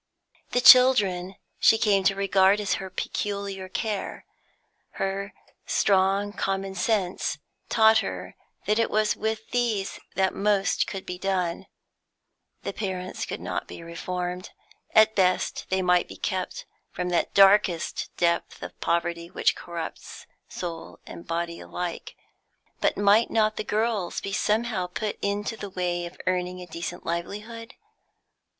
The children she came to regard as her peculiar care. Her strong common sense taught her that it was with these that most could be done. The parents could not be reformed; at best they might be kept from that darkest depth of poverty which corrupts soul and body alike. But might not the girls be somehow put into the way of earning a decent livelihood?